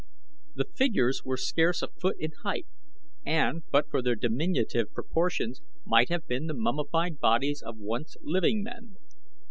The figures were scarce a foot in height and but for their diminutive proportions might have been the mummified bodies of once living men.